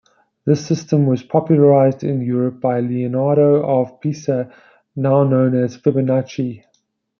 This system was popularized in Europe by Leonardo of Pisa, now known as Fibonacci.